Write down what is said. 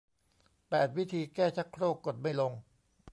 แปด วิธีแก้ชักโครกกดไม่ลง